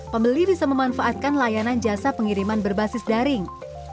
pembeli bisa memanfaatkan layanan jasa pengiriman berbasis daring